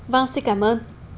vâng xin cảm ơn